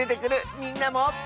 みんなも。